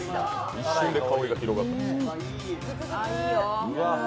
一瞬で香りが広がった。